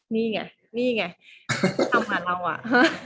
นี่ไงนี่ไงทำงานเราอ่ะฮะ